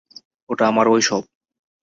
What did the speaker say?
ওটা আমার ঐসব।